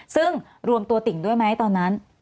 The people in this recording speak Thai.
ซึ่งรวมตัวติ่งด้วยไหมตอนนั้น